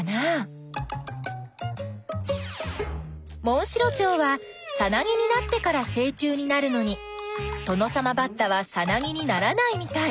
モンシロチョウはさなぎになってからせい虫になるのにトノサマバッタはさなぎにならないみたい。